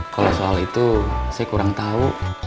kalau soal itu saya kurang tahu